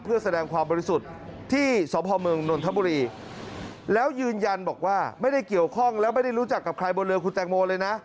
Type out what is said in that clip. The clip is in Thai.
เพื่อแสดงความบริสุทธิ์ที่สพเมืองนนทบุรีแล้วยืนยันบอกว่าไม่ได้เกี่ยวข้องแล้วไม่ได้รู้จักกับใครบนเรือคุณแตงโมเลยนะ